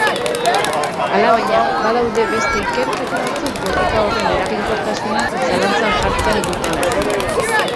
Alabaina, badaude beste ikerketa batzuk botika horren eraginkortasuna zalantzan jartzen dutenak.